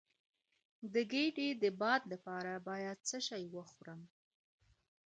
د ګیډې د باد لپاره باید څه شی وخورم؟